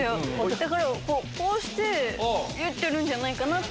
だからこうして言ってるんじゃないかなって。